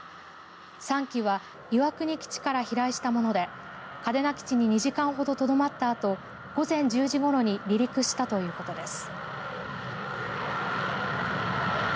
３機は岩国基地から飛来したもので嘉手納基地に２時間ほどとどまったあと午前１０時ごろに離陸したということです。